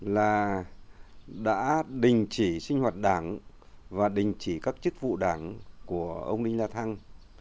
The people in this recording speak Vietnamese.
là đã đình chỉ sinh hoạt đảng và đình chỉ các chức vụ đảng của ông đinh la thăng